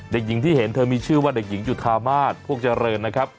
เด็กหญิงที่เห็นเธอมีชื่อว่าเด็กหญิงจุธามาศพวกเจริญนะครับ